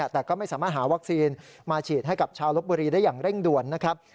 แต่ก็ไม่สามารถหาวัคซีนมาฉีดให้กับชาวลบบุรีได้อย่างเร่งด่วนนะครับ